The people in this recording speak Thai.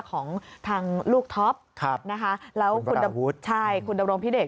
ของทางลูกท็อปแล้วคุณดำรงพิเดศ